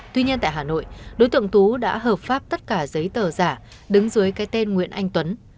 tuy nhiên tại hà nội đối tượng tú đã hợp pháp tất cả giấy tờ giả đứng dưới cái tên nguyễn anh tuấn